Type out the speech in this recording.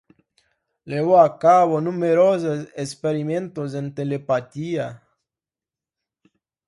Llevó a cabo numerosos experimentos en telepatía.